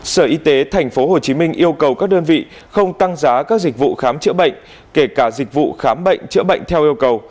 sở y tế tp hcm yêu cầu các đơn vị không tăng giá các dịch vụ khám chữa bệnh kể cả dịch vụ khám bệnh chữa bệnh theo yêu cầu